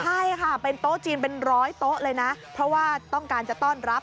ใช่ค่ะเป็นโต๊ะจีนเป็นร้อยโต๊ะเลยนะเพราะว่าต้องการจะต้อนรับ